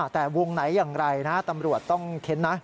แต่วงไหนอย่างไรนะตำรวจต้องเค้นนะ